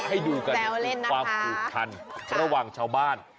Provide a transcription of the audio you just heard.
หยอกล้อให้ดูกันความอุทันระหว่างชาวบ้าน